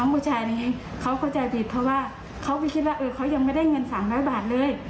เพราะว่าเขาก็คิดว่าเขายังไม่ได้เงิน๓๐๐บาทเลย